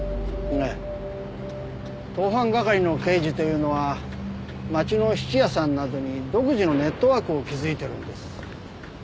ええ盗犯係の刑事というのは街の質屋さんなどに独自のネットワークを築いているんです。